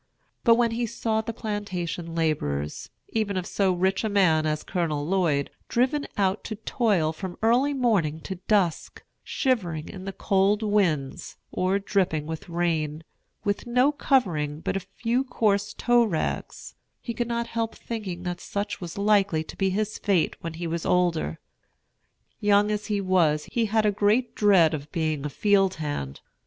But when he saw the plantation laborers, even of so rich a man as Colonel Lloyd, driven out to toil from early morning to dusk, shivering in the cold winds, or dripping with rain, with no covering but a few coarse tow rags, he could not help thinking that such was likely to be his fate when he was older. Young as he was, he had a great dread of being a field hand.